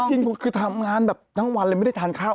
จริงคือทำงานแบบทั้งวันเลยไม่ได้ทานข้าว